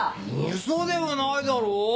嘘ではないだろ？